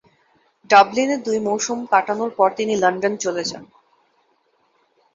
ডাবলিনে দুই মৌসুম কাটানোর পর তিনি লন্ডনে চলে যান।